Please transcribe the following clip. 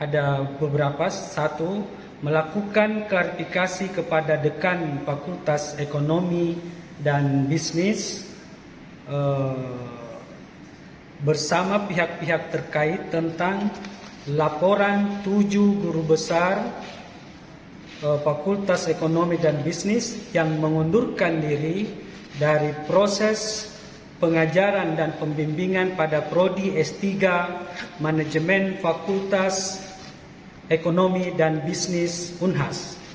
duru besar fakultas ekonomi dan bisnis yang mengundurkan diri dari proses pengajaran dan pembimbingan pada prodi s tiga manajemen fakultas ekonomi dan bisnis unhas